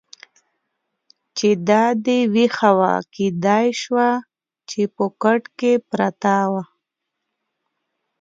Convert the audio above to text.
چې دا دې وېښه وه، کېدای شوه چې په کټ کې پرته وه.